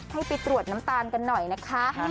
ให้ไปตรวจน้ำตาลกันหน่อยนะคะ